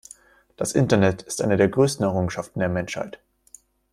Das Internet ist eine der größten Errungenschaften der Menschheit.